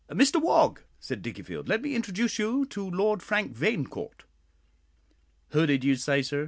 "Mr Wog," said Dickiefield, "let me introduce you to Lord Frank Vanecourt." "Who did you say, sir?"